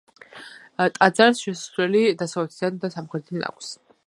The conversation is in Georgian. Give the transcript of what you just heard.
ტაძარს შესასვლელი დასავლეთიდან და სამხრეთიდან აქვს.